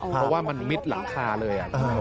เพราะว่ามันมิดหลังคาเลย